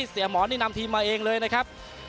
หมอนี่นำทีมมาเองเลยนะครับ